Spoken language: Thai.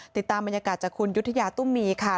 ติดตามบรรยากาศจากคุณยุธยาตุ้มมีค่ะ